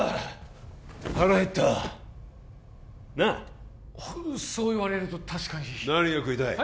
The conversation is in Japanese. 腹減ったなあそう言われると確かに何が食いたい？